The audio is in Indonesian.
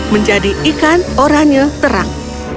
menjadi ikan orangnya terang